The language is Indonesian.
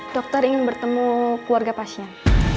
dokter ingin bertemu keluarga pasien